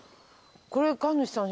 これ神主さん